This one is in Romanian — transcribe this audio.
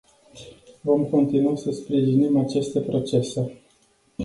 Vom continua să sprijinim aceste procese.